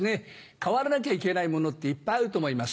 変わらなきゃいけないものっていっぱいあると思います。